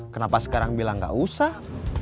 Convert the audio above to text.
kenapa sekarang bilang gak usah